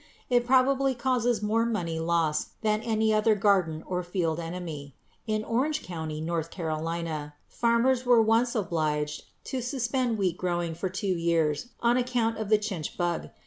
It probably causes more money loss than any other garden or field enemy. In Orange county, North Carolina, farmers were once obliged to suspend wheat growing for two years on account of the chinch bug.